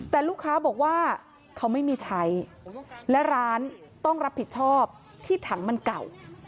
แต่ลูกค้าบอกว่าเขาไม่มีใช้และร้านต้องรับผิดชอบที่ถังมันเก่า